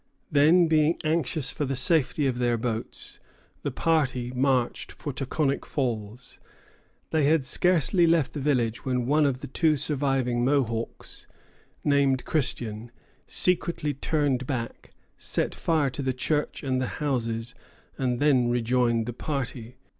Then, being anxious for the safety of their boats, the party marched for Taconic Falls. They had scarcely left the village when one of the two surviving Mohawks, named Christian, secretly turned back, set fire to the church and the houses, and then rejoined the party.